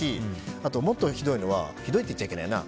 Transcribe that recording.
あともっとひどいのはひどいって言っちゃいけないな。